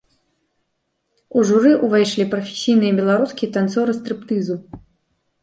У журы ўвайшлі прафесійныя беларускія танцоры стрыптызу.